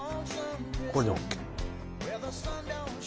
これでＯＫ。